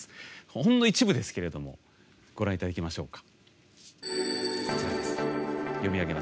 ほんの一部ですけれどもご覧いただきましょうか。